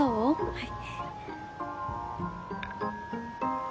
はい。